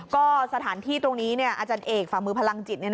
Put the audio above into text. ก็สถานที่ตรงนี้อาจารย์เอกฝ่ามือพลังจิต